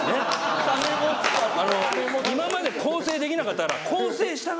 ・今まで更生できなかったから。